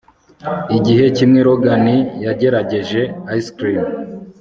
igihe kimwe logan yagerageje ice cream